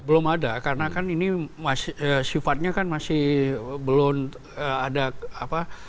belum ada karena kan ini sifatnya kan masih belum ada apa